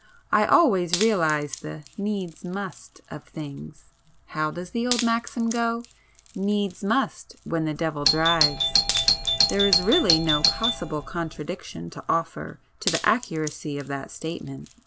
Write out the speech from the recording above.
I always realize the 'needs must' of things—how does the old maxim go—'needs must when the devil drives.' There is really no possible contradiction to offer to the accuracy of that statement.